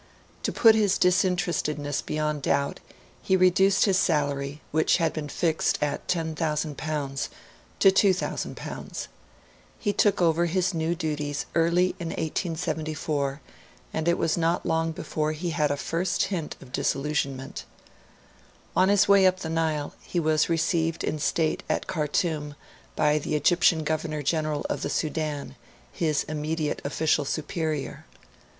To put his disinterestedness beyond doubt, he reduced his salary, which had been fixed at L10,000, to L2,000. He took over his new duties early in 1874, and it was not long before he had a first hint of disillusionment. On his way up the Nile, he was received in state at Khartoum by the Egyptian Governor General of the Sudan, his immediate official superior.